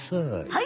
はい。